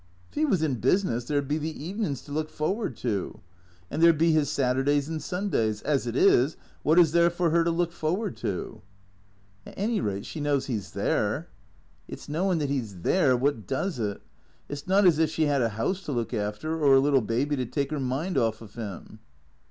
" 'Ef 'E was in business there 'd be the evenin's to look for ward to. And there 'd be 'is Saturdays and Sundays. As it is, wot is there for her to look forward to ?"" At any rate she knows he 's there." " It 's knowin' that 'E 's there wot does it. It 's not as if she 'ad a 'ouse to look after, or a little baby to take 'er mind orf of 'im."